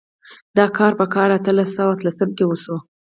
دا کار په کال اتلس سوه اتلسم کې وشو.